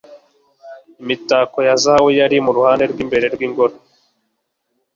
imitako ya zahabu yari mu ruhande rw'imbere rw'ingoro